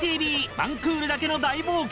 ワンクールだけの大冒険』。